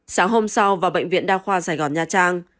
sáng hôm sau vào bệnh viện đa khoa sài gòn nha trang